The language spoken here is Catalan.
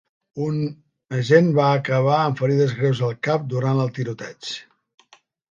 Un agent va acabar amb ferides greus al cap durant el tiroteig.